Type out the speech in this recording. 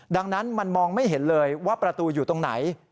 ดังนั้นมันมองไม่เห็นเลยว่าประตูอยู่ตรงไหน